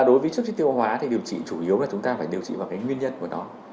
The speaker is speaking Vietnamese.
đối với trước chi tiêu hóa thì điều trị chủ yếu là chúng ta phải điều trị vào cái nguyên nhân của nó